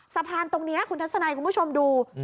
สะพานตรงนี้คุณทัศนัยคุณผู้ชมดู